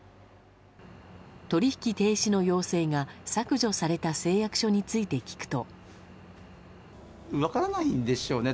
取引停止の要請が削除された誓約書について聞くと。